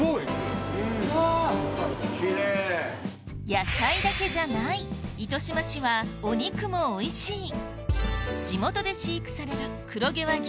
野菜だけじゃない糸島市はお肉もおいしい地元で飼育される黒毛和牛